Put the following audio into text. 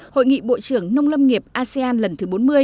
hội nghị bộ trưởng nông lâm nghiệp asean lần thứ bốn mươi